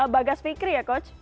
bagas fikri ya coach